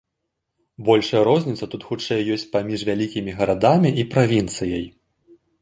Большая розніца тут хутчэй ёсць паміж вялікімі гарадамі і правінцыяй.